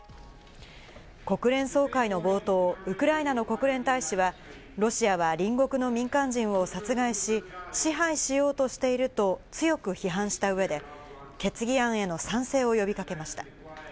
国連総会の冒頭、ウクライナの国連大使は、ロシアは隣国の民間人を殺害し支配しようとしていると強く批判した上で決議案への賛成を呼びかけました。